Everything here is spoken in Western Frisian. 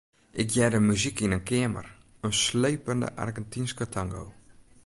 Ik hearde muzyk yn in keamer, in slepende Argentynske tango.